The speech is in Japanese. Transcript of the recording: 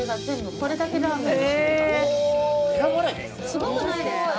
すごくないですか？